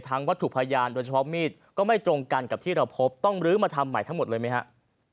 คุณลักษณะครับโดยสรุปแล้วคดีนี้ต้องลื้อมาทำใหม่หรือเปล่า